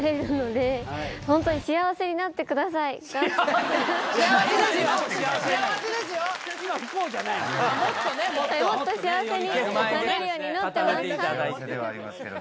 今幸せなのもっと幸せになれるように祈ってます